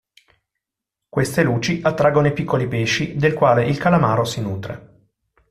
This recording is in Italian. Queste luci attraggono i piccoli pesci del quale il calamaro si nutre.